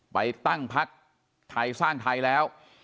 ไปตั้งพักไทยสร้างไทยแล้ว